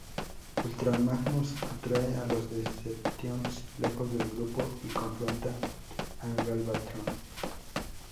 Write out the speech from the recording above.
Ultra Magnus atrae a los Decepticons lejos del grupo y confronta a Galvatron.